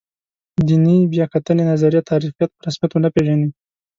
دیني بیا کتنې نظریه تاریخیت په رسمیت ونه پېژني.